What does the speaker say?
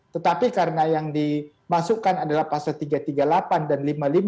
tetapi karena yang dimasukkan adalah pasal tiga ratus tiga puluh delapan dan lima ribu lima ratus lima puluh enam